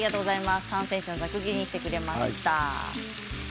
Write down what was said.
３ｃｍのざく切りにしてくれました。